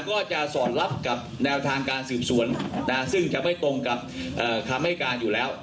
ก็จะสอดรับกับแนวทางการสืบสวนซึ่งจะไม่ตรงกับคำให้การอยู่แล้ว